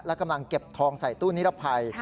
และกำลังเก็บทองใส่ตู้นิรภัย